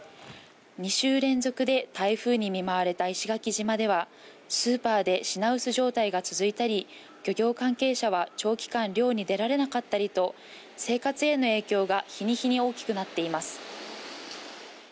２週連続で台風に見舞われた石垣島ではスーパーで品薄状態が続いたり漁業関係者は長期間漁に出られなかったりと生活への影響が日に日に大きくなっています。